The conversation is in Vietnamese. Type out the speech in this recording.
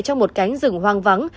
trong một cánh rừng hoang vắng